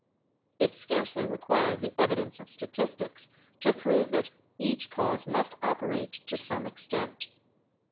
It scarcely required the evidence of statistics to prove that each cause must operate to some extent.